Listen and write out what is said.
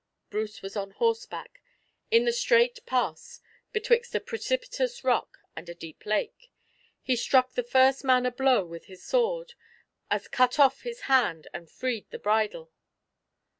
Bruce was on horseback, in the strait pass betwixt a precipitous rock and a deep lake. He struck the first man a blow with his sword, as cut off his hand and freed the bridle.